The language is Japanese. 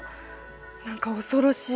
何か恐ろしい。